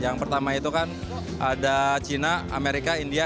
yang pertama itu kan ada china amerika india